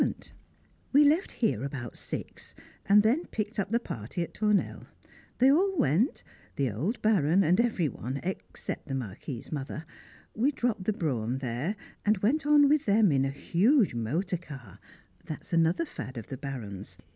[Sidenote: On a Motor Car] We left here about six, and then picked up the party at Tournelle. They all went the old Baron, and every one, except the Marquis's mother. We dropped the brougham there, and went on with them in a huge motor car (that is another fad of the Baron's).